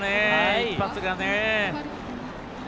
一発がね。